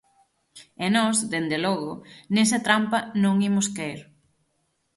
E nós, dende logo, nesa trampa non imos caer.